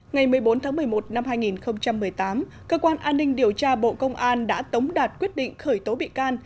ngày một mươi bốn tháng một mươi một năm hai nghìn một mươi tám cơ quan an ninh điều tra bộ công an đã tống đạt quyết định khởi tố bị can